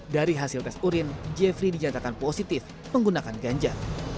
dari hasil tes urin jeffrey dinyatakan positif menggunakan ganja